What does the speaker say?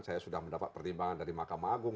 saya sudah mendapat pertimbangan dari mahkamah agung